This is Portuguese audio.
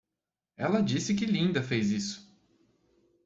Ela disse que Linda fez isso!